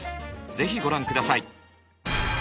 ぜひご覧下さい。